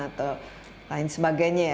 atau lain sebagainya